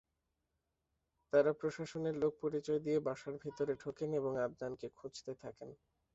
তাঁরা প্রশাসনের লোক পরিচয় দিয়ে বাসার ভেতরে ঢোকেন এবং আদনানকে খুঁজতে থাকেন।